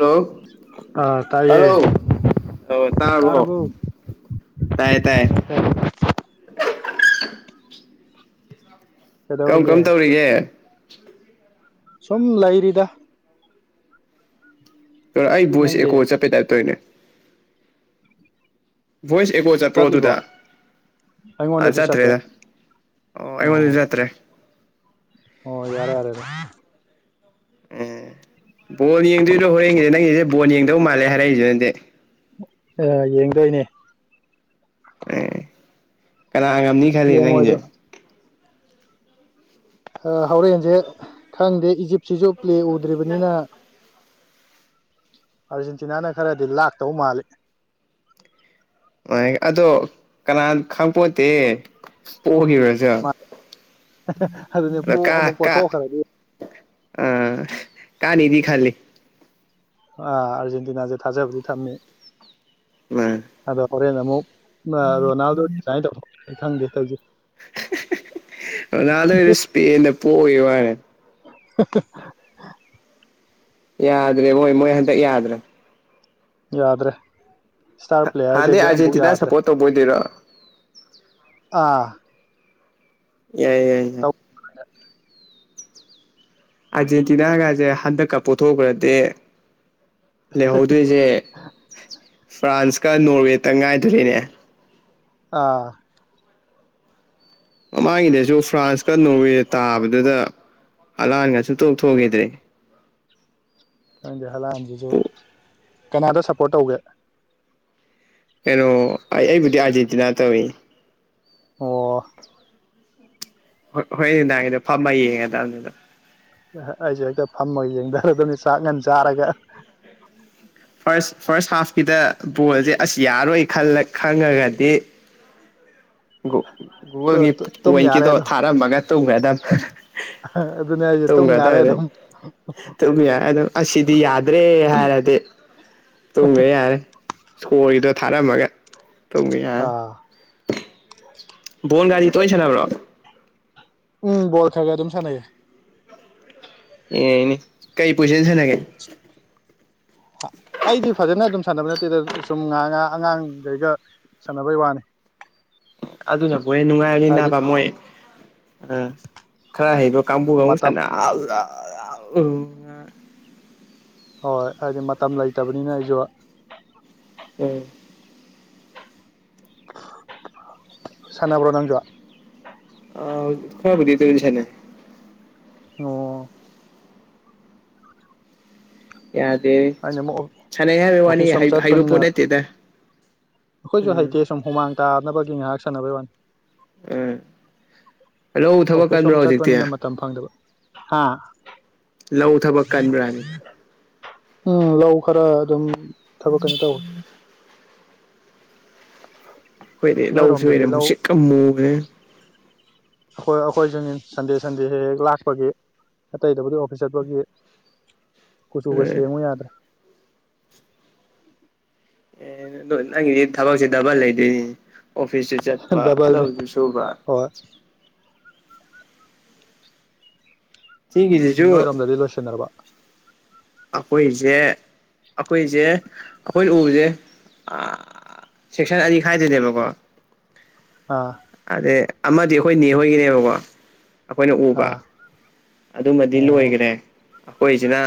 ꯂꯣ ꯑꯥ ꯇꯥꯏꯌꯦ ꯍꯥꯜꯂꯣ ꯑꯣ ꯇꯥꯔꯕꯣ ꯇꯥꯏꯌꯦ ꯇꯥꯏꯌꯦ [inaudible] ꯀꯝ ꯀꯩꯗꯧꯔꯤꯒꯦ ꯀꯝ ꯇꯧꯔꯤꯒꯦ ꯁꯨꯝ ꯂꯩꯔꯤꯗ ꯑꯩ ꯚꯣꯏꯁ ꯅꯪꯗꯤ ꯑꯦꯀꯣ ꯆꯠꯄꯩ ꯇꯥꯏꯞ ꯇꯧꯏꯅꯦ ꯚꯣꯏꯁ ꯑꯦꯀꯣ ꯆꯠꯄ꯭ꯔꯣ ꯆꯠꯂꯤꯕꯣ ꯑꯗꯨꯗ ꯑ ꯑꯩꯉꯣꯟꯗꯗꯤ ꯆꯠꯇꯦ ꯆꯠꯇ꯭ꯔꯦꯗ ꯑꯣ ꯑꯩꯉꯣꯟꯗꯗꯤ ꯆꯠꯇ꯭ꯔꯦ ꯑꯣ ꯌꯥꯔꯦ ꯌꯥꯔꯦ ꯑꯗꯨ ꯑ ꯕꯣꯜ ꯌꯦꯡꯗ꯭ꯔꯤꯗ ꯍꯣꯔꯦꯟꯒꯤꯅꯦ ꯅꯪꯒꯤꯖꯦ ꯕꯣꯜ ꯌꯦꯡꯗꯕ ꯃꯥꯜꯂꯦ ꯍꯥꯏꯔꯛꯏꯖꯤꯅꯗꯤ ꯑꯥ ꯌꯦꯡꯗꯣꯏꯅꯦ ꯑ ꯀꯅꯥ ꯉꯝꯅꯤ ꯈꯜꯂꯤ ꯅꯪꯒꯤꯗꯤ ꯌꯦꯡꯉꯣꯏꯗ꯭ꯔꯣ ꯑ ꯍꯧꯔꯦꯟꯖꯦ ꯈꯪꯗꯦ ꯏꯖꯤꯞꯁꯤꯖꯨ ꯄ꯭ꯂꯦ ꯎꯗ꯭ꯔꯤꯕꯅꯤꯅ ꯑꯥꯔꯖꯦꯟꯇꯤꯅꯥꯅ ꯈꯔꯗꯤ ꯂꯥꯛꯇꯧ ꯃꯥꯜꯂꯤ ꯑꯣꯏ ꯑꯗꯣ ꯀꯅꯥꯟ ꯈꯪꯄꯣꯟꯇꯦ ꯄꯣꯒꯤꯕ ꯃꯥ ꯑꯗꯨꯅꯦ ꯑꯗꯣ ꯄꯣ ꯀꯥ ꯑꯃꯨꯛ ꯀꯥ ꯄꯣꯊꯣꯛꯈ꯭ꯔꯗꯤ ꯑꯥ ꯀꯥꯅꯦꯗꯤ ꯈꯜꯂꯤ ꯑꯥ ꯑꯥꯔꯖꯦꯟꯇꯤꯅꯥꯖꯦ ꯊꯥꯖꯕꯗꯤ ꯊꯝꯃꯦ ꯎꯝ ꯑꯗꯣ ꯍꯣꯔꯦꯟ ꯑꯃꯨꯛ ꯏꯃꯥ ꯔꯣꯅꯥꯜꯗꯣ ꯑꯗꯥꯏ ꯇꯧ [unintelligible] ꯈꯪꯗꯦ ꯇꯧꯏꯖꯦ [unintelligible] ꯔꯣꯅꯥꯜꯗꯣꯏꯗꯣ ꯁ꯭ꯄꯦꯟꯗ ꯄꯣꯒꯤ ꯋꯥꯅꯦ ꯍꯍ ꯌꯥꯗ꯭ꯔꯦ ꯃꯣꯏ ꯃꯣꯏ ꯍꯟꯗꯛ ꯌꯥꯗ꯭ꯔꯝ ꯌꯥꯗ꯭ꯔꯦ ꯁ꯭ꯇꯥꯔ ꯍꯥꯟꯅꯗꯩ ꯄ꯭ꯂꯦꯌꯥꯔꯒꯩꯖꯦ ꯑꯝꯕꯨꯛ ꯑꯥꯔꯖꯦꯟꯇꯤꯅꯥ ꯌꯥꯗ꯭ꯔꯦ ꯁꯞꯄꯣꯔꯠ ꯇꯧꯕ ꯑꯣꯏꯗꯣꯏꯔꯥ ꯑꯥ ꯌꯥꯏ ꯌꯥꯏ ꯌꯥꯏ [inaudible] ꯑꯥꯔꯖꯦꯟꯇꯤꯅꯥꯒꯥꯖꯦ ꯍꯟꯗꯛꯀ ꯄꯣꯊꯣꯛꯒ꯭ꯔꯗꯤ ꯂꯩꯍꯧꯗꯣꯏꯖꯦ ꯐ꯭ꯔꯥꯟꯁꯀ ꯅꯣꯔꯋꯦꯇꯪ ꯉꯥꯏꯗꯨꯔꯦꯅꯦ ꯑꯥ ꯃꯃꯥꯡꯒꯤꯗꯁꯨ ꯐ꯭ꯔꯥꯟꯁꯀ ꯅꯣꯔꯋꯦ ꯇꯥꯕꯗꯨꯗ ꯍꯂꯥꯟꯒꯁꯨ ꯇꯣꯛꯊꯣꯛꯈꯤꯗ꯭ꯔꯦ ꯅꯗꯤ ꯍꯂꯥꯟꯁꯤꯁꯨ ꯀꯅꯥꯗꯣ ꯁꯞꯄꯣꯔꯠ ꯇꯧꯒꯦ ꯀꯩꯅꯣ ꯑꯩ ꯑꯩꯕꯨꯗꯤ ꯑꯥꯔꯖꯦꯟꯇꯤꯅꯥ ꯇꯧꯋ ꯑꯣ ꯍꯣꯏ ꯍꯣꯏ ꯅꯪꯒꯤꯗꯣ ꯐꯝꯃ ꯌꯦꯡꯉꯗꯕꯅꯤꯗꯣ ꯑꯩꯁꯦ ꯍꯦꯛꯇ ꯐꯝꯃꯒ ꯌꯦꯡꯊꯔꯗꯕꯅꯤ ꯆꯥꯛ ꯉꯟ ꯆꯥꯔꯒ ꯐꯥꯔꯁ ꯐꯥꯔꯁ ꯍꯥꯐꯀꯤꯗ ꯕꯣꯜꯁꯦ ꯑꯁ ꯌꯥꯔꯣꯏ ꯈꯜꯂ ꯈꯪꯉꯒꯗꯤ ꯒꯨꯒꯨꯜꯒꯤ ꯇꯨꯝ ꯌꯥꯔꯦ ꯄꯣꯏꯟꯀꯤꯗꯣ ꯑꯗꯨꯝ ꯊꯥꯔꯝꯃꯒ ꯇꯨꯝꯈ꯭ꯔꯗ ꯑꯗꯨꯅꯦ ꯑꯩꯁꯦ ꯑꯗꯨꯝ ꯌꯥꯔꯦ ꯑꯗꯨꯝ ꯇꯨꯝꯕ ꯌꯥꯔꯦ ꯑꯗꯨꯝ ꯑꯁꯤꯗꯤ ꯌꯥꯗ꯭ꯔꯦ ꯍꯥꯏꯔꯗꯤ ꯇꯨꯝꯕ ꯌꯥꯔꯦ ꯏꯁꯀꯣꯔꯒꯤꯗꯣ ꯊꯥꯔꯝꯃꯒ ꯇꯨꯝꯒꯤ ꯑꯥ ꯕꯣꯣꯟ ꯒꯥꯔꯤ ꯇꯣꯏꯅ ꯁꯥꯟꯅꯕ꯭ꯔꯣ ꯎꯝ ꯕꯣꯜ ꯈꯥꯒ ꯑꯗꯨꯝ ꯁꯥꯟꯦ ꯑꯦꯅꯦ ꯀꯩ ꯄꯩꯁꯥꯅꯤ ꯊꯅꯒꯩ ꯑꯩꯗꯤ ꯐꯖꯅ ꯑꯗꯨꯝ ꯁꯥꯟꯅꯕꯅꯦ ꯤꯗ ꯁꯨꯝ ꯉꯥ ꯉꯥ ꯑꯉꯥꯡꯈꯩꯒ ꯁꯥꯟꯅꯕꯩ ꯋꯥꯅꯤ ꯑꯗꯨꯅꯕꯨꯍꯦ ꯅꯨꯡꯉꯥꯏꯔꯅꯤ ꯍꯥꯏꯗꯤ ꯅꯥꯕ ꯃꯣꯏ ꯑ ꯈꯔ ꯍꯩꯕꯣ ꯀꯥꯡꯕꯨꯒꯕꯨ ꯃꯇꯝ ꯁꯥꯟꯅ ꯑ ꯍꯣꯏ ꯍꯥꯏꯗꯤ ꯃꯇꯝ ꯂꯩꯇꯕꯅꯤꯅ ꯑꯩꯁꯨ ꯎꯝ ꯁꯥꯟꯕ꯭ꯔꯣ ꯅꯪꯖꯨ ꯑ ꯈꯣꯏꯕꯨꯗꯤ ꯇꯣꯏꯅꯥ ꯁꯅꯦ ꯑꯣ ꯌꯥꯗꯦ ꯑꯩꯅ ꯑꯃꯨꯛ ꯁꯥꯟꯅꯩ ꯍꯥꯏꯕꯩ ꯋꯥꯅꯤ ꯑꯣꯐꯤꯁ ꯑꯃ ꯍꯩꯕ ꯆꯠꯄꯅꯤꯅ ꯄꯣꯠ ꯅꯠꯇꯦꯗ ꯑꯩꯈꯣꯏꯁꯨ ꯎꯝ ꯍꯩꯇꯦ ꯁꯨꯝ ꯍꯨꯃꯥꯡ ꯇꯥꯅꯕꯒꯤ ꯉꯥꯏꯍꯥꯛ ꯁꯥꯟꯅꯕꯩ ꯋꯥꯅꯤ ꯎꯝ ꯂꯧ ꯊꯕꯛ ꯑꯣꯐꯤꯁ ꯀꯟꯕ꯭ꯔꯣ ꯁꯣꯝ ꯍꯧꯖꯤꯛꯇꯤ ꯆꯠꯄꯅꯤꯅ ꯃꯇꯝ ꯐꯪꯗꯕ ꯍꯥꯥ ꯂꯧ ꯊꯕꯛ ꯀꯥꯟꯟꯕꯔꯅꯤ ꯎꯝ ꯂꯧ ꯈꯔ ꯑꯗꯨꯝ ꯊꯕꯛ ꯀꯩꯅꯣ ꯇꯧꯋꯤ ꯍꯣꯏꯔꯦ ꯂꯧꯁꯨ ꯅꯣꯏꯔꯣꯝꯗꯗꯤ ꯂꯧ ꯑꯣꯏꯣꯏꯔꯦ ꯨꯁꯤꯛꯀ ꯃꯨꯈꯦ ꯑꯩꯈꯣꯏ ꯑꯩꯈꯣꯏꯁꯨꯅꯤ ꯁꯟꯗꯦ ꯁꯟꯗꯦ ꯍꯦꯛ ꯍꯦꯛ ꯂꯥꯛꯄꯒꯤ ꯑꯇꯩꯗꯕꯨꯗꯤ ꯑꯣꯐꯤꯁ ꯆꯠꯄꯒꯤ ꯀꯨꯆꯨꯒ ꯁꯦꯝꯉꯨ ꯌꯥꯗ꯭ꯔꯦ ꯑꯦ ꯑꯗꯣ ꯅꯪꯒꯤꯗꯤ ꯊꯕꯛꯁꯦ ꯗꯕꯜ ꯂꯩꯗꯦꯅꯦ ꯑꯣꯐꯤꯁꯁꯨ ꯆꯠꯄ ꯗꯕꯜꯅꯤ ꯂꯧꯁꯨ ꯁꯨꯕ ꯍꯣꯏ ꯎꯝ ꯁꯤꯒꯤꯁꯤꯁꯨ ꯅꯣꯏꯔꯣꯝꯗꯗꯤ ꯂꯣꯏꯁꯤꯟꯅꯔꯕ ꯑꯩꯈꯣꯏꯁꯦ ꯑꯩꯈꯣꯏꯁꯦ ꯑꯩꯈꯣꯏꯅ ꯎꯕꯁꯦ ꯁꯦꯛꯁꯟ ꯑꯅꯤ ꯈꯥꯏꯗꯅꯦꯕꯀꯣ ꯑꯥ ꯑꯗ ꯑꯃꯗꯤ ꯑꯩꯈꯣꯏꯅꯦ ꯍꯣꯏꯒꯤꯅꯦꯕꯀꯣ ꯑꯩꯈꯣꯏꯅ ꯎꯕ ꯑꯥ ꯑꯗꯨꯃꯗꯤ ꯑꯣ ꯂꯣꯏꯈ꯭ꯔꯦ ꯑꯩꯈꯣꯏꯁꯤꯅ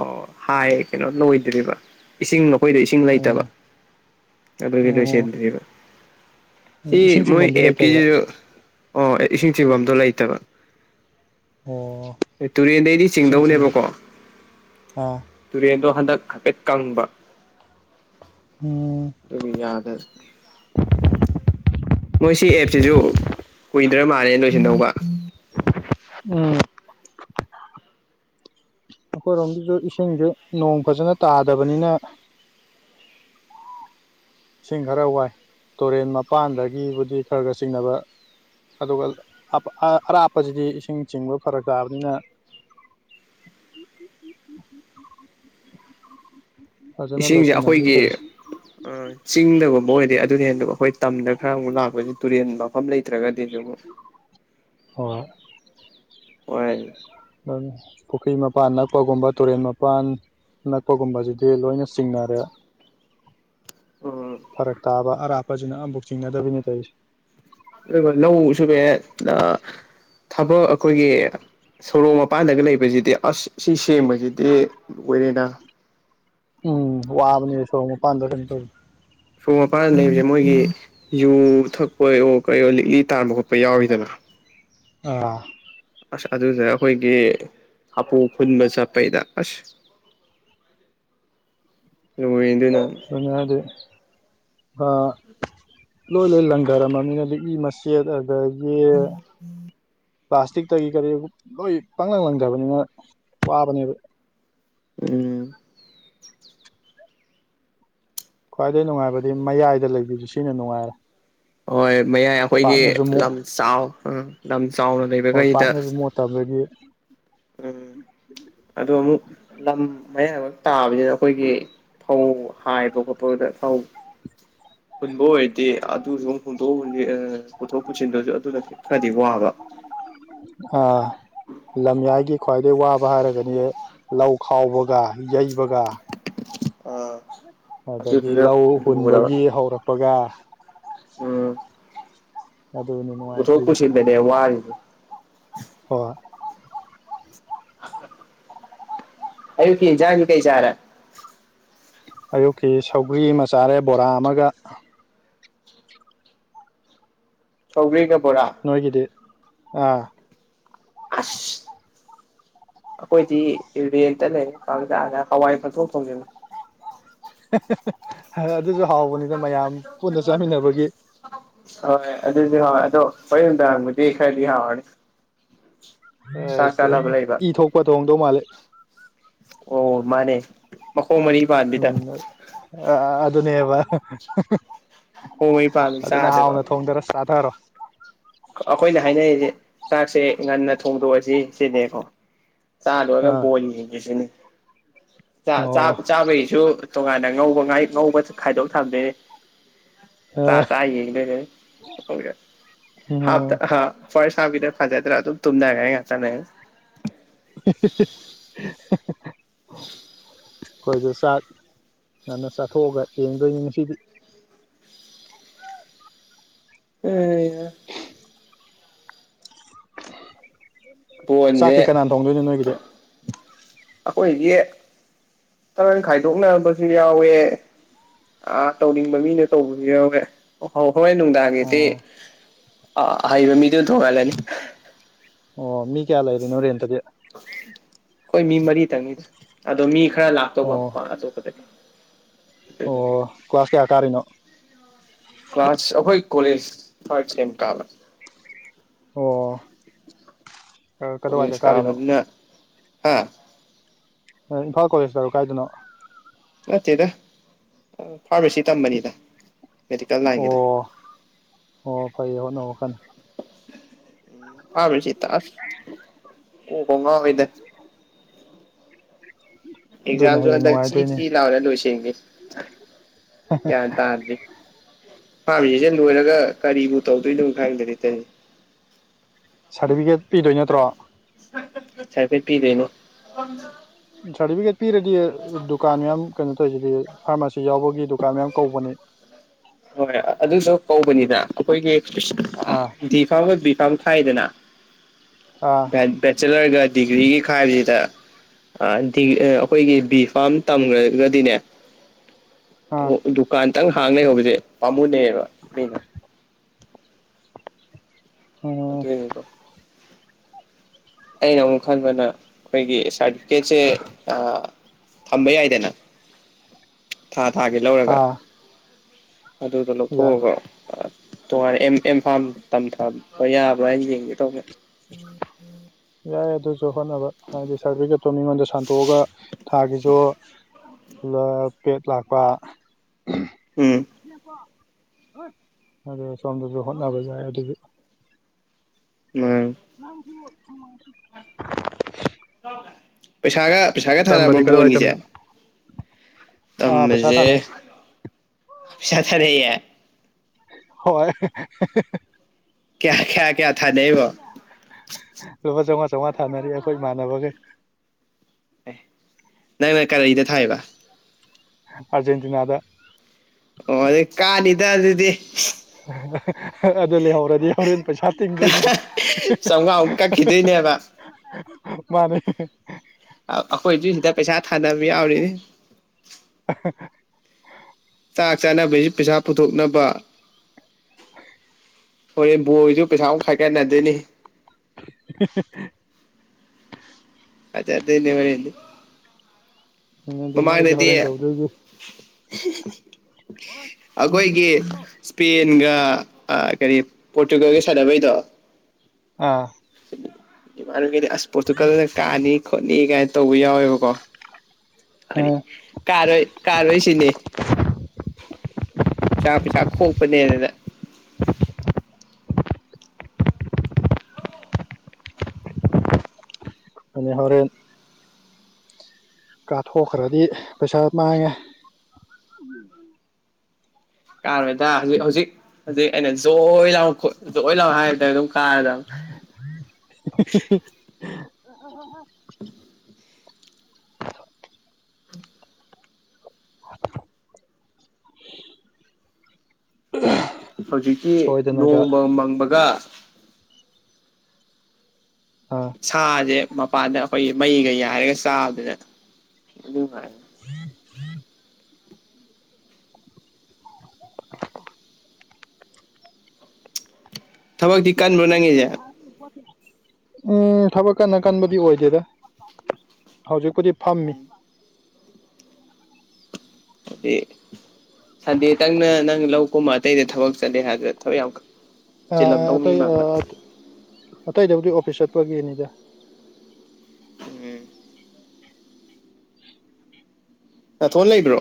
ꯑꯣ ꯍꯥꯏ ꯀꯩꯅꯣ ꯂꯣꯏꯗ꯭ꯔꯤꯕ ꯏꯁꯤꯡ ꯅꯈꯣꯏꯗ ꯏꯁꯤꯡ ꯂꯩꯇꯕ ꯎꯝ ꯑꯗꯨꯒꯤ ꯑꯣ ꯂꯣꯏꯁꯤꯟꯗꯔ꯭ꯤꯕꯥ ꯎꯝ ꯁꯤ ꯏꯁꯤꯡ ꯃꯣꯏ ꯆꯤꯡꯐꯝꯗꯤ ꯂꯩꯇꯕ꯭ꯔꯥ ꯑꯦꯞꯀꯤꯁꯤꯁꯨ ꯑꯣ ꯑꯩ ꯏꯁꯤꯡ ꯆꯤꯡꯐꯝꯗꯣ ꯂꯩꯇꯕ ꯑꯣ ꯇꯨꯔꯦꯟꯗꯩꯗꯤ ꯏꯁꯤꯡ ꯆꯤꯡꯁꯨ ꯆꯤꯡꯗꯧꯅꯦꯕꯀꯣ ꯑꯥ ꯇꯨꯔꯦꯟꯗꯣ ꯍꯟꯗꯛ ꯍꯥꯏꯐꯦꯠ ꯀꯪꯕ ꯎꯝ ꯑꯗꯨꯒꯤ ꯌꯥꯗ ꯃꯣꯏ ꯁꯤ ꯑꯦꯞꯁꯤꯁꯨ ꯀꯨꯏꯗ꯭ꯔ ꯃꯥꯜꯂꯦ ꯂꯣꯏꯁꯤꯟꯗꯧꯕ ꯎꯝ ꯑꯩꯈꯣꯏꯔꯣꯝꯒꯤꯁꯨ ꯏꯁꯤꯡꯁꯦ ꯅꯣꯡ ꯐꯖꯅ ꯇꯥꯗꯕꯅꯤꯅ ꯏꯁꯤꯡ ꯈꯔ ꯋꯥꯏ ꯇꯨꯔꯦꯟ ꯃꯄꯥꯟꯗꯒꯤꯕꯨꯗꯤ ꯈꯔ ꯈꯔ ꯆꯤꯡꯅꯕ ꯑꯗꯨꯒ ꯑꯔꯥꯞꯄꯁꯤꯗꯤ ꯏꯁꯤꯡ ꯆꯤꯡꯕ ꯐꯔꯛ ꯇꯥꯕꯅꯤꯅ ꯐꯖꯅ ꯏꯁꯤꯡꯁꯦ ꯂꯣꯏꯁꯟꯅꯗ꯭ꯔꯤ ꯑꯩꯈꯣꯏꯒꯤ ꯇꯧꯔꯤꯁꯦ ꯑ ꯆꯤꯡꯗꯒꯨꯝꯕ ꯑꯣꯏꯔꯗꯤ ꯑꯗꯨꯅꯦ ꯑꯗꯨ ꯑꯩꯈꯣꯏ ꯇꯝꯗ ꯈꯔ ꯑꯃꯨꯛ ꯂꯥꯛꯄꯁꯤ ꯇꯨꯔꯦꯟ ꯃꯐꯝ ꯂꯩꯇ꯭ꯔꯒꯗꯤꯁꯨ ꯑꯃꯨꯛ [inaudible] ꯑꯩ ꯍꯣꯏ ꯄꯨꯈ꯭ꯔꯤ ꯃꯄꯥꯟ ꯅꯛꯄꯒꯨꯝꯕ ꯇꯨꯔꯦꯟ ꯃꯄꯥꯟ ꯅꯛꯄꯒꯨꯝꯕꯁꯤꯗꯤ ꯂꯣꯏꯅ ꯆꯤꯡꯅꯔꯦ ꯎꯝ ꯐꯔꯛ ꯇꯥꯕ ꯑꯔꯥꯞꯄꯁꯤꯅ ꯑꯃꯝꯐꯛ ꯆꯤꯡꯅꯗꯕꯤꯅꯤ ꯇꯧꯔꯤꯁꯦ ꯑꯗꯨꯒ ꯂꯧ ꯁꯨꯕ ꯊꯕꯛ ꯑꯩꯈꯣꯏꯒꯤ ꯁꯣꯔꯣꯛ ꯃꯄꯥꯟꯗꯒ ꯂꯩꯕꯁꯤꯗꯤ ꯑꯁ ꯁꯤ ꯁꯦꯡꯕꯁꯤꯗꯤ ꯂꯣꯏꯔꯦꯅ ꯎꯝ ꯋꯥꯕꯅꯦ ꯁꯣꯔ ꯃꯄꯥꯟꯗ ꯀꯩꯅꯣ ꯇꯧꯋ ꯁꯣꯔꯣꯛ ꯃꯄꯥꯟꯗ ꯂꯩꯕꯁꯦ ꯃꯣꯏꯒꯤ ꯌꯨ ꯊꯛꯄ ꯑꯣꯣ ꯀꯩꯌꯣ ꯂꯤꯛꯂꯤ ꯇꯥꯟꯕ ꯈꯣꯠꯄ ꯌꯥꯎꯔꯤꯗꯅ [unintelligible] ꯑꯁ ꯑꯗꯨꯗ ꯑꯩꯈꯣꯏꯒꯤ ꯍꯥꯄꯨ ꯐꯨꯟꯕ ꯆꯠꯄꯩꯗ ꯑꯁ ꯅꯣꯏꯗꯤ ꯅ ꯀꯅ ꯍꯥꯏꯗꯤ ꯂꯣꯏ ꯂꯣꯏ ꯂꯪꯒꯔꯝꯃꯅꯤꯅꯗꯤ ꯏ ꯃ ꯁꯤ ꯑꯗꯒꯤ ꯄ꯭ꯂꯥꯁꯇꯤꯛꯇꯒꯤ ꯀꯔꯤ ꯂꯣꯏ ꯄꯪꯪꯂꯪ ꯂꯪꯗꯕꯅꯤꯅ ꯋꯥꯕꯅꯦꯕ ꯎꯝ ꯈ꯭ꯋꯥꯏꯗꯩ ꯅꯨꯡꯉꯥꯏꯕꯗꯤ ꯃꯌꯥꯏꯗ ꯂꯩꯕꯤꯁꯨ ꯁꯤꯅ ꯅꯨꯡꯉꯥꯏꯔꯦ ꯍꯣꯏ ꯃꯌꯥꯏ ꯑꯩꯈꯣꯏꯒꯤ ꯄꯥꯛꯅꯁꯨ ꯃꯣꯠ ꯂꯝ ꯆꯥꯎ ꯎ ꯂꯝ ꯆꯥꯎꯅ ꯂꯩꯕꯈꯩꯗ ꯇꯥꯕꯗꯤ ꯎꯝ ꯑꯗꯣ ꯑꯃꯨꯛ ꯂꯝ ꯃꯌꯥꯕ ꯇꯥꯅꯤꯅ ꯑꯩꯈꯣꯏꯒꯤ ꯐꯧ ꯍꯥꯏꯕ ꯈꯣꯠꯄꯗ ꯐꯧ ꯍꯨꯟꯕ ꯑꯣꯏꯔꯗꯦ ꯑꯗꯨꯁꯨ ꯍꯨꯟꯗꯣꯛ ꯄꯨꯊꯣꯛ ꯄꯨꯁꯤꯟꯗꯨꯁꯨ ꯑꯗꯨꯅ ꯈꯔꯗꯤ ꯋꯥꯕ ꯑ ꯂꯝꯌꯥꯏꯒꯤ ꯈ꯭ꯋꯥꯏꯗꯩ ꯋꯥꯕ ꯍꯥꯏꯔꯒꯗꯤ ꯂꯧ ꯈꯥꯎꯕꯒ ꯌꯩꯕꯒ ꯑꯥ ꯑꯗꯒꯤ ꯑꯗꯨꯗꯨꯅ ꯂꯧ ꯂꯨꯒ꯭ꯔꯕ ꯍꯨꯟꯕꯒꯤ ꯍꯧꯔꯛꯄꯒ ꯎꯝ ꯑꯗꯨꯅꯤꯅꯨꯡꯥꯏꯈꯔꯤꯒꯤ ꯅꯦ ꯋꯥꯔ ꯍꯣꯏ ꯑꯌꯨꯀꯤ ꯏꯟꯖꯥꯡ ꯀꯩ ꯆꯥꯔꯦ ꯑꯌꯨꯛꯀꯤ ꯁꯧꯒ꯭ꯔꯤ ꯑꯃꯆꯥꯔꯦ ꯕꯣꯔꯥ ꯑꯃꯒ ꯁꯧꯒꯔ꯭ꯤ ꯀꯦ ꯕꯣꯔꯥ ꯅꯣꯏꯒꯤꯗꯤ ꯑꯥ ꯑꯁ ꯑꯩꯈꯣꯏꯗꯤ ꯔꯦꯟꯗ ꯂꯩꯔ ꯀꯂ ꯀꯗ ꯍꯋꯥꯏ ꯃꯟꯊꯣꯡ ꯊꯣꯡꯉꯕꯅꯤ ꯑꯗꯨꯁꯨ ꯍꯥꯎꯕꯅꯤꯅ ꯃꯌꯥꯝ ꯄꯨꯟꯅ ꯆꯥꯃꯤꯟꯅꯕꯒꯤ [unintelligible] ꯍꯣꯏ ꯑꯗꯨꯗꯤ ꯍꯥꯎ ꯑꯗꯣ ꯍ ꯅꯨꯡꯗꯥꯡꯕꯨꯗꯤ ꯈꯔꯗꯤ ꯍꯥꯎꯔꯅꯤ ꯆꯥꯛ ꯑꯦꯁ ꯆꯥꯅꯕ ꯂꯩꯕ ꯏ ꯊꯣꯛꯄ ꯊꯣꯡꯗꯧ ꯃꯥꯜꯂꯦ ꯑꯣ ꯃꯥꯅꯦ ꯃꯈꯣꯡ ꯃꯔꯤ ꯄꯥꯟꯕꯤꯗ ꯎꯝ ꯑ ꯑꯗꯨ ꯑꯗꯨꯅꯦꯕ ꯃꯈꯣꯡ ꯃꯔꯤ ꯄꯥꯟꯕꯤ ꯐꯖꯅ ꯆꯥꯗꯣꯏꯕ ꯍꯥꯎꯅ ꯊꯣꯡꯗꯔꯣ ꯆꯥꯊꯔꯣ ꯑꯩꯈꯣꯏꯅ ꯍꯥꯏꯅꯔꯤꯁꯦ ꯆꯥꯛꯁꯦ ꯉꯟꯅ ꯊꯣꯡꯗꯣꯛꯑꯁꯤ ꯁꯤꯅꯦꯀꯣ ꯆꯂꯨ ꯑꯥ ꯍꯕ ꯣꯂꯤ ꯍꯥꯏꯁꯤꯅ ꯑꯣ ꯆꯥꯕꯒꯤꯁꯨ ꯇꯣꯉꯥꯟꯅ ꯉꯧꯕ ꯉꯥꯏ ꯉꯧꯕ ꯈꯥꯏꯗꯣꯛ ꯊꯝꯗꯣꯏꯅꯦ ꯆꯥ ꯑꯣ ꯆꯥ ꯌꯦꯡꯗꯣꯏꯅꯦ [unintelligible] ꯍꯥꯞ ꯑꯩꯈꯣꯏꯁꯨ ꯍꯥ ꯐꯁ ꯍꯥꯐꯕꯤꯗ ꯐꯥꯖ ꯔ ꯇꯣ ꯇꯝꯗ ꯀꯥꯏ ꯉꯆꯅꯦ [unintelligible] ꯑꯩꯈꯣꯏꯁꯨ ꯆꯥꯛ ꯉꯟꯅ ꯆꯥꯊꯣꯛꯑꯒ ꯌꯦꯡꯗꯣꯏꯅꯤ ꯉꯁꯤꯗꯤ ꯎꯝ ꯄꯣꯏꯟꯖꯦ ꯆꯥꯛꯇꯤ ꯀꯅꯥꯅ ꯊꯣꯡꯗꯣꯏꯅꯣ ꯅꯣꯏꯒꯤꯗꯤ ꯑꯈꯣꯏꯗꯤ ꯇꯔꯪ ꯈꯥꯏꯗꯣꯛꯅꯕꯁꯨ ꯌꯥꯎꯋꯦ ꯑꯥ ꯇꯧꯅꯤꯡꯕ ꯃꯤꯅ ꯇꯧꯕꯁꯨ ꯌꯥꯎꯔꯦ ꯑꯣꯍꯣ ꯍꯣꯔꯦꯟ ꯅꯨꯡꯗꯥꯡꯒꯤꯗꯤ ꯑꯣ ꯑꯥ ꯑꯍꯩꯕ ꯃꯤꯗꯨꯅ ꯊꯣꯡꯍꯜꯂꯅꯤ ꯑꯣ ꯃꯤ ꯀꯌꯥ ꯂ ꯂꯩꯥꯏꯔꯤ ꯅꯣꯔꯦ ꯇꯗꯤ ꯑꯩꯣꯏ ꯃꯤ ꯃꯔꯤ ꯇ ꯃꯤꯗ ꯑꯗꯣ ꯃꯤ ꯈꯔ ꯂꯥꯛꯇꯧꯕ ꯑꯣ ꯃꯄꯥꯟ ꯑꯇꯣꯞꯄꯗꯩ ꯑꯣ ꯀ꯭ꯂꯥꯁ ꯀꯌꯥ ꯀꯥꯔꯤꯅꯣ ꯀ꯭ꯂꯥꯁ ꯑꯩꯈꯣꯏ ꯀꯣꯂꯦꯖ ꯐꯔ ꯀꯜ ꯑꯣ ꯀ ꯀꯗꯥꯏꯗ ꯀꯥꯔꯤꯅꯣ ꯏꯁꯀꯥꯕꯗꯅ ꯍꯥꯥ ꯏꯝꯥꯜꯣꯂꯦꯖ ꯇꯔ ꯀꯥꯏꯗꯅꯣ ꯅꯠꯇꯦꯗ ꯐꯥꯔꯃꯥꯁꯤ ꯇꯝꯕꯅꯤꯗ ꯃꯦꯗꯤꯀꯦꯜ ꯂꯥꯏꯟꯒꯤꯗꯣ ꯑꯣ ꯑꯣ ꯐꯌꯦ ꯍꯣꯠꯅꯅꯕ ꯀꯥꯟꯅꯤ ꯍꯥꯥꯕꯁꯤ ꯇꯥꯁ ꯎ ꯀꯉ ꯑꯣꯏꯗ ꯑꯗꯨꯅ ꯑꯦꯛꯖꯥꯝꯁꯨ ꯍꯌꯦꯡ ꯍꯟꯗꯛ ꯆꯤ ꯅꯨꯡꯉꯥꯏꯗꯣꯏꯅꯦ ꯆꯤ ꯂꯥꯎꯔ ꯂꯣꯏꯁꯟꯈꯤ ꯌꯥꯟ ꯇꯗꯔꯤ ꯐꯥꯝꯃꯤꯁꯤꯁꯦ ꯂꯣꯏꯔꯒ ꯀꯔꯤꯕꯨ ꯇꯧꯗꯣꯏꯅꯣ ꯈꯪꯗꯔꯦ ꯇꯧꯔꯤꯖꯦ ꯁꯥꯔꯇꯤꯐꯤꯀꯦꯠ ꯄꯤꯗꯣꯏ ꯅꯠꯇ꯭ꯔꯣ ꯆꯥꯏ ꯐ ꯄꯤꯗꯅꯣ ꯁꯥꯔꯗꯤꯕꯤꯒꯦꯠ ꯄꯤꯔꯗꯤ ꯗꯨꯀꯥꯟ ꯃꯌꯥꯝ ꯀꯩꯅꯣ ꯇꯧꯋꯤꯖꯤꯗꯤ ꯐꯥꯔꯃꯥꯁꯤ ꯌꯥꯎꯕꯒꯤ ꯗꯨꯀꯥꯟ ꯃꯌꯥꯝ ꯀꯧꯕꯅꯦ ꯍꯣꯏ ꯑꯗꯨꯗꯣ ꯀꯧꯕꯅꯤꯅ ꯑꯩꯈꯣꯏꯒꯤ ꯑꯥ ꯐꯥꯝꯒ ꯕꯤ ꯐꯝ ꯈꯥꯏꯗꯅ ꯑꯥ ꯕꯦꯆꯦꯂꯔꯒ ꯗꯤꯒ꯭ꯔꯤꯒ ꯈꯥꯏꯕꯁꯤꯗ ꯑꯩꯈꯣꯏꯒꯤ ꯕꯤ ꯐꯥꯝ ꯇꯝꯈ꯭ꯔꯒꯗꯤꯅꯦ ꯑꯥ ꯗꯨꯀꯥꯟꯗꯪ ꯍꯥꯡꯅꯩ ꯍꯧꯕꯁꯦ ꯄꯥꯃꯨꯅꯦꯕ ꯃꯤꯅ ꯎꯝ ꯑꯗꯨꯅꯦꯀꯣ ꯑꯩꯅ ꯑꯃꯨꯛ ꯈꯟꯕꯗ ꯑꯩꯈꯣꯏꯒꯤ ꯁꯥꯔꯇꯤꯐꯤꯀꯦꯠꯁꯦ ꯊꯝꯕ ꯌꯥꯏꯗꯅ ꯊꯥ ꯊꯥꯒꯤ ꯂꯧꯔꯒ ꯑꯥ ꯑꯗꯨꯗꯣ ꯌꯥꯏ ꯂꯧꯊꯣꯛꯑꯒ ꯇꯣꯉꯥꯟꯅꯦ ꯏꯝꯐꯥꯝ ꯇꯝꯊꯕ ꯌꯥꯕ꯭ꯔꯥ ꯍꯥꯏꯅ ꯌꯦꯡꯒꯦ ꯇꯧꯒꯦ ꯌꯥꯏ ꯌꯥ ꯑꯗꯨ ꯍꯣꯠꯅꯕ ꯍꯥꯏꯗꯤ ꯁꯥꯔꯗꯤꯕꯤꯒꯦꯠꯇꯣ ꯃꯤꯉꯣꯟꯗ ꯁꯟꯇꯣꯛꯑꯒ ꯊꯥꯒꯤꯖꯨ ꯂ ꯄꯦꯠ ꯂꯥꯛꯄ ꯎꯝ ꯑꯗ ꯁꯣꯝꯗꯖꯨ ꯍꯣꯠꯅꯅꯕ ꯌꯥꯏ ꯑꯗꯨꯒꯤ ꯎꯝ ꯅ ꯄꯩꯁꯥꯒ ꯄꯩꯁꯥꯒ ꯊꯥꯔꯕ꯭ꯔꯣ ꯀꯗꯥꯏ ꯕꯣꯟꯒꯤꯁꯦ ꯇꯝꯃꯤꯅꯣ ꯑꯥ ꯄꯩꯁꯥ ꯇꯝꯕꯁꯦ ꯊꯥꯅꯩ ꯄꯁꯥ ꯊꯔꯦ ꯍꯣꯏ ꯀꯌꯥ ꯈꯌꯥ ꯀꯌꯥ ꯊꯥꯗꯕ ꯂꯨꯄꯥ ꯆꯥꯝꯃꯉꯥ ꯆꯥꯃꯉꯥ ꯊꯥꯅꯔꯤ ꯑꯩꯈꯣꯏ ꯏꯃꯥꯟꯅꯕꯒꯩ ꯑꯦ ꯅꯪꯅ ꯀꯔꯤꯗ ꯊꯥꯏꯑꯕ ꯑꯥꯔꯖꯦꯟꯇꯤꯅꯥꯗ ꯑꯣ [unintelligible] ꯀꯥꯅꯤꯗ ꯑꯗꯨꯗꯤ [inaudible] ꯑꯗꯨ ꯂꯩꯍꯧꯔꯗꯤ ꯍꯣꯔꯦꯟ ꯄꯩꯁꯥ ꯇꯤꯡꯗꯣꯏꯅꯤ ꯆꯥꯝꯃꯉꯥꯃꯨꯛ ꯀꯛꯈꯤꯗꯣꯏꯅꯦꯕ ꯃꯥꯅꯦ ꯑꯩꯈꯣꯏ ꯑꯗꯨꯏ ꯁꯤꯗ ꯄꯩꯁꯥ ꯊꯥꯅꯕ ꯌꯥꯎꯔꯤ [unintelligible] ꯆꯥꯛ ꯆꯥꯅꯕꯩꯁꯨ ꯄꯩꯁꯥ ꯄꯨꯊꯣꯛꯅꯕ ꯍꯣꯔꯦꯟ ꯕꯣꯜꯒꯤꯁꯨ ꯄꯩꯁꯥ ꯑꯃꯨꯛ ꯈꯥꯏꯒꯠꯅꯗꯣꯏꯅꯤ [unintelligible] ꯐꯖꯗꯨꯅꯦ ꯍꫭꯔꯦꯟ [unintelligible] ꯍꯣꯔꯦꯟ ꯇꯧꯗꯣꯏꯁꯤ ꯑꯈꯣꯏꯒꯤ ꯄꯦꯟꯒ ꯀꯔꯤ ꯄꯣꯔꯇꯨꯒꯜꯒ ꯁꯥꯟꯅꯕꯩꯗꯣ ꯑꯥ [unintelligible] ꯒꯤꯗꯤ ꯑꯁ ꯄꯣꯔꯇꯨꯒꯜꯅ ꯀꯥꯅꯤ ꯈꯣꯠꯅꯤ ꯀꯥꯏꯅ ꯇꯧꯕ ꯌꯥꯎꯋꯦꯕꯀꯣ ꯑ [unintelligible] ꯀꯥꯔꯣꯏ ꯀꯥꯔꯣꯏꯁꯤꯅꯦ ꯄꯩꯁꯥ ꯄꯩꯁꯥ ꯈꯣꯛꯄꯅꯦꯗꯨꯅ [inaudible] ꯑꯗꯨꯅꯤ ꯍꯣꯔꯦꯟ ꯀꯥꯊꯣꯛꯈ꯭ꯔꯗꯤ ꯄꯩꯁꯥ ꯃꯥꯏꯉꯦ ꯀꯥꯔꫭꯏꯗ ꯍꯧꯖꯤꯛ ꯍꯧꯖꯤꯛ ꯍꯧꯖꯤꯛ ꯑꯩꯅ ꯖꯣꯏ ꯂꯥꯎ ꯖꯣꯏ ꯂꯥꯎ ꯍꯥꯏꯗ ꯑꯗꯨꯝ ꯀꯥꯔꯗꯝ [unintelligible] [unintelligible] [inaudible] [unintelligible] ꯍꯧꯖꯤꯛꯇꯤ ꯁꯣꯏꯗꯅꯒ ꯅꯣꯡꯒ ꯃꯪꯕꯒ ꯑꯥ ꯁꯥꯁꯦ ꯃꯄꯥꯟꯗ ꯑꯩꯈꯣꯏꯒꯤ ꯃꯩꯒ ꯌꯥꯏꯔꯒ ꯆꯥꯕꯗꯅ ꯑꯗꯨ [unintelligible] [inaudible] ꯊꯕꯛꯇꯤ ꯀꯟꯕ꯭ꯔꯣ ꯅꯪꯒꯤꯁꯦ [unintelligible] ꯎꯝ ꯊꯕꯛ ꯀꯟꯅ ꯀꯟꯕꯗꯤ ꯑꯣꯏꯗꯦꯗ ꯍꯧꯖꯤꯛꯄꯨꯗꯤ ꯐꯝꯃꯤ [unintelligible] ꯁꯟꯗꯦ ꯇꯪꯅ ꯅꯪ ꯂꯧ ꯀꯨꯝꯕ ꯑꯇꯩꯗ ꯊꯕꯛ ꯆꯠꯂꯦ ꯍꯥꯏꯕꯅ ꯊꯕꯛ ꯌꯥꯝ ꯑꯥ ꯆꯤꯜꯂꯝꯗꯧ ꯃꯤ ꯑꯇꯩ ꯃꯥꯟꯕ ꯑꯇꯩꯗꯕꯨꯗꯤ ꯑꯣꯐꯤꯁ ꯆꯠꯄꯒꯤꯅꯤꯗ ꯎꯝ ꯅꯊꯣꯟ ꯂꯩꯕ꯭ꯔꯣ